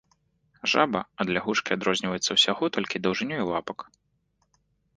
Жаба ад лягушкі адрозніваецца ўсяго толькі даўжынёй лапак.